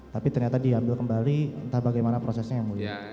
tapi ternyata diambil kembali entah bagaimana prosesnya ya muridnya